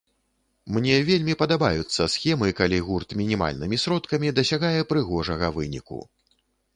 Мне вельмі падабаюцца схемы, калі гурт мінімальнымі сродкамі дасягае прыгожага выніку.